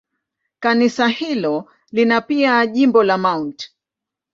Kanisa hilo lina pia jimbo la Mt.